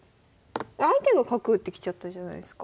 相手が角打ってきちゃったじゃないですか。